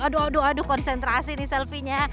aduh aduh konsentrasi nih selfie nya